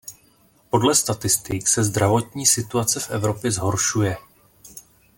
Podle statistik se zdravotní situace v Evropě zhoršuje.